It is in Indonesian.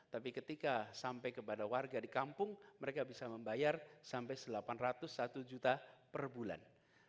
tapi ketika sampai kepada warga di kampung mereka bisa membayar sampai delapan ratus satu juta per bulan